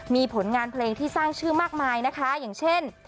มีผลงานเพลงที่สร้างชื่อมากมายนะคะอย่างเช่น